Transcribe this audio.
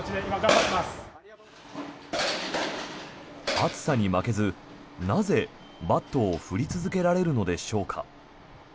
暑さに負けず、なぜバットを振り続けられるのでしょうか。